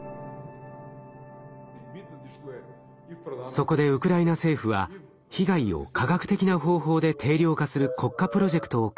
そこでウクライナ政府は被害を科学的な方法で定量化する国家プロジェクトを開始。